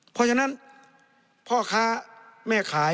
เพราะฉะนั้นพ่อค้าแม่ขาย